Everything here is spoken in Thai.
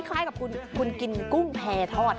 คล้ายกับคุณกินกุ้งแพรทอด